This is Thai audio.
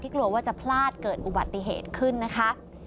กลัวว่าจะพลาดเกิดอุบัติเหตุขึ้นนะคะ